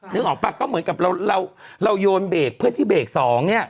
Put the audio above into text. นึกออกป่ะก็เหมือนกับเราเราโยนเบรกเพื่อที่เบรกสองเนี่ย